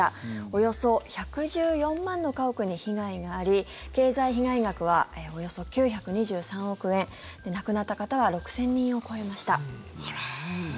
およそ１１４万の家屋に被害があり経済被害額はおよそ９２３億円亡くなった方は６０００人を超えました。